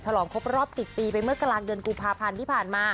ลองครบรอบ๑๐ปีไปเมื่อกลางเดือนกุมภาพันธ์ที่ผ่านมา